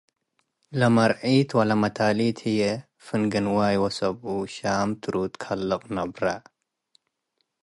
ለመርዒት ወለመታሊት ህዬ ፍንጌ ንዋይ ወሰብኡ ሻም ትሩድ ከልቅ ነብረ ።